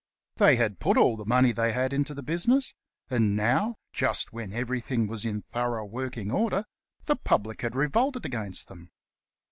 They had put all the money they had into the business; and now, just when everything was in thorough working order, the public had revolted against them.